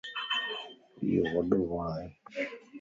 ايو وڏو وڻ ائي.